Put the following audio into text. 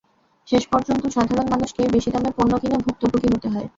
শেষ পর্যন্ত সাধারণ মানুষকেই বেশি দামে পণ্য কিনে ভুক্তভোগী হতে হয়।